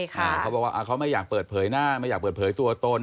เขาบอกว่าเขาไม่อยากเปิดเผยหน้าไม่อยากเปิดเผยตัวตน